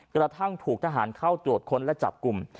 กระทั่งถูกทหารเข้าตรวจค้นและจับกลุ่ม